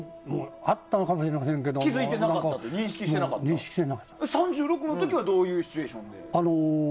あったのかもしれませんけど３６の時はどういうシチュエーションで？